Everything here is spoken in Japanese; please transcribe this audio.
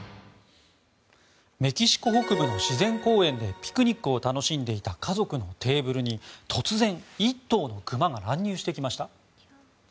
メキシコ北部の自然公園でピクニックを楽しんでいた家族のテーブルに突然、１頭の熊が乱入してきました。